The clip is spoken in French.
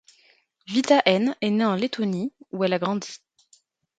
Vita Heine est née en Lettonie, où elle a grandi.